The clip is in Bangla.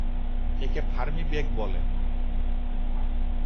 একে ফার্মি বেগ বলে।